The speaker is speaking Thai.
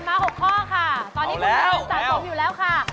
ผ่านมา๖ข้อค่ะตอนนี้คุณจะได้เงินสะสมอยู่แล้วค่ะ